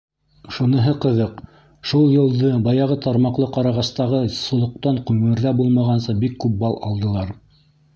Шуныһы ҡыҙыҡ, шул йылды баяғы тармаҡлы ҡарағастағы солоҡтан ғүмерҙә булмағанса бик күп бал алдылар.